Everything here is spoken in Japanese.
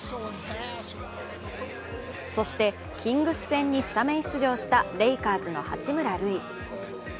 そしてキングス戦にスタメン出場したレイカーズの八村塁。